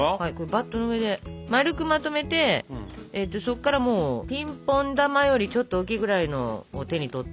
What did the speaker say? バットの上で丸くまとめてそっからもうピンポン球よりちょっと大きいぐらいのを手に取って。